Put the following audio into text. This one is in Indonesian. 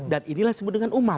dan inilah yang disebut dengan umat